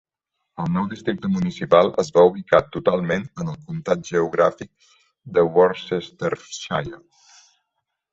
El nou districte municipal es va ubicar totalment en el comtat geogràfic de Worcestershire.